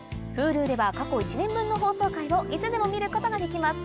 Ｈｕｌｕでは過去１年分の放送回をいつでも見ることができます